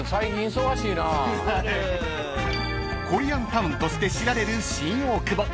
［コリアンタウンとして知られる新大久保］